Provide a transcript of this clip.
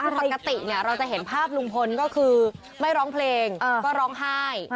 คือปกติเราจะเห็นภาพลุงพลก็คือไม่ร้องเพลงก็ร้องไห้